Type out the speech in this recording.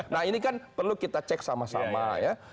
nah ini kan perlu kita cek sama sama ya